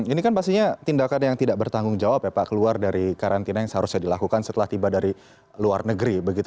ini kan pastinya tindakan yang tidak bertanggung jawab ya pak keluar dari karantina yang seharusnya dilakukan setelah tiba dari luar negeri begitu